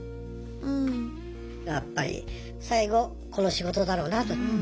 やっぱり最後この仕事だろうなと。